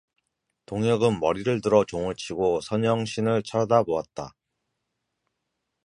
동혁은 머리를 들어 종을 치고 선영 신을 쳐다보았다.